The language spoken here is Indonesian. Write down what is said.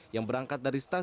yang berangkat dari stasiun